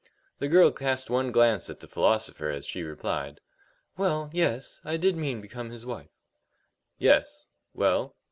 The girl cast one glance at the philosopher as she replied: "Well, yes; I did mean become his wife." "Yes. Well?"